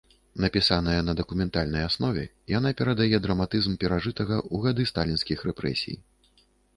Напісаная на дакументальнай аснове, яна перадае драматызм перажытага ў гады сталінскіх рэпрэсій.